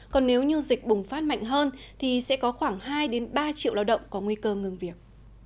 còn nếu như dịch bùng phát mạnh hơn thì sẽ có khoảng hai ba triệu lao động có nguy cơ ngừng việc